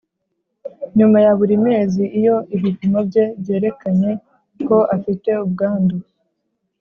nyuma ya buri mezi Iyo ibipimo bye byerekanye ko afite ubwandu